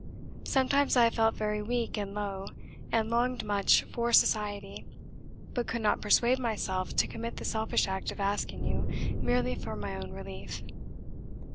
Sometimes I have felt very weak and low, and longed much for society, but could not persuade myself to commit the selfish act of asking you merely for my own relief.